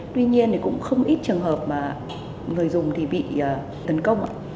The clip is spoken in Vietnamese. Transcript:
tuy nhiên cũng không ít trường hợp mà người dùng bị tấn công